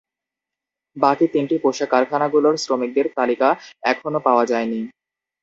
বাকি তিনটি পোশাক কারখানাগুলোর শ্রমিকদের তালিকা এখনো পাওয়া যায়নি।